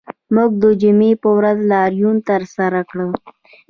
موږ د جمعې په ورځ لاریون ترسره کړ